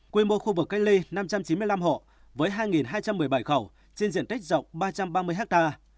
quy mô khu vực cách ly năm trăm chín mươi năm hộ với hai hai trăm một mươi bảy khẩu trên diện tích rộng ba trăm ba mươi ha